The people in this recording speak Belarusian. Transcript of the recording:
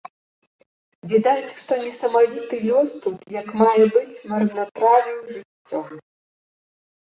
Відаць, што несамавіты лёс тут як мае быць марнатравіў жыццё.